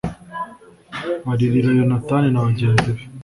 baririra yonatani na bagenzi be